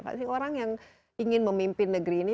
pasti orang yang ingin memimpin negeri ini